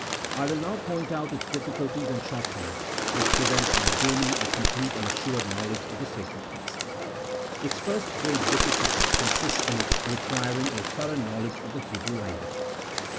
I will now point out its difficulties and shortcomings, which prevent our gaining a complete and assured knowlege of the Sacred Text. Its first great difficulty consists in its requiring a thorough knowledge of the Hebrew language.